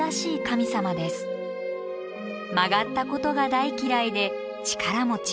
曲がったことが大嫌いで力持ち。